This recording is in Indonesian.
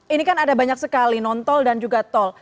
ini kan ada banyak sekali non tol dan juga tol